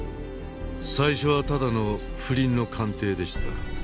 最初はただの不倫の鑑定でした。